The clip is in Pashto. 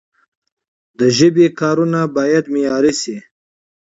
د ژبي کارونه باید معیاري سی.